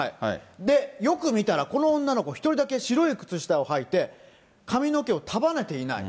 で、よく見たらこの女の子、１人だけ白い靴下をはいて、髪の毛を束ねていない。